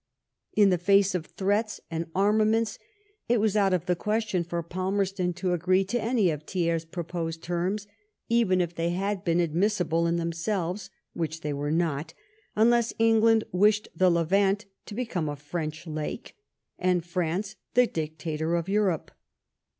In the face of threats and armaments, it was out of the question for Palmerston to agree to any of Thiers' proposed terms, even if they had been admissible in themselves, which they were not, unless England wished the Levant to become a French lake, and France the dic tator of Europe.